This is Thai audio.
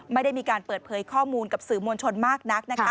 ไม่ได้มีการเปิดเผยข้อมูลกับสื่อมวลชนมากนักนะคะ